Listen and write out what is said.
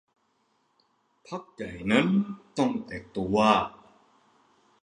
พรรคใหญ่ต้องแตกตัว